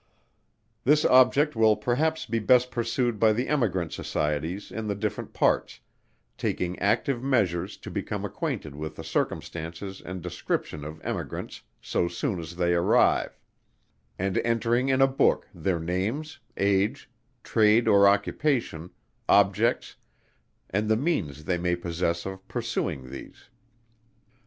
This object will perhaps be best pursued by the Emigrant Societies in the different parts, taking active measures to become acquainted with the circumstances and description of Emigrants so soon as they arrive, and entering in a Book, their names, age, trade or occupation, objects, and the means they may possess of pursuing these.